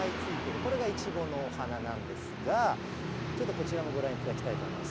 これがイチゴのお花なんですが、ちょっとこちらもご覧いただきたいと思います。